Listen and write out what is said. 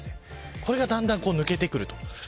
これがだんだん抜けてくると。